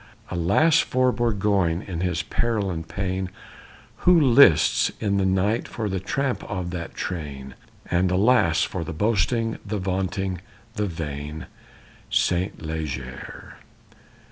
Alas, for Burgoyne in his peril and pain Who lists in the night for the tramp of that train! And, alas, for the boasting, the vaunting, the vain Saint Leger!